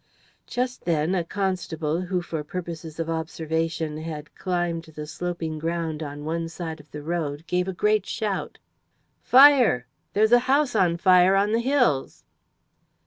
Just then a constable who, for purposes of observation, had climbed the sloping ground on one side of the road, gave a great shout. "Fire! There's a house on fire on the hills!"